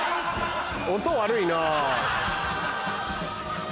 音悪いな。